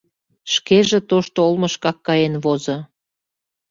Шкеже тошто олмышкак каен возо.